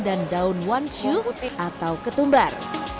dan daun wanshu atau ketumbar